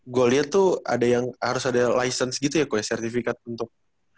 gue liat tuh harus ada license gitu ya kok ya sertifikat untuk